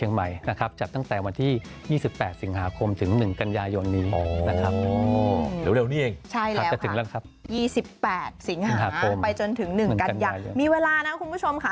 ๒๘สิงหาไปจนถึง๑กันยังมีเวลานะคุณผู้ชมค่ะ